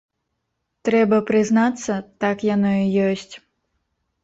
Трэба прызнацца, так яно і ёсць.